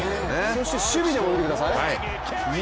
そして守備でも見てください。